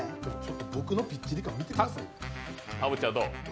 僕のぴっちり感見てください。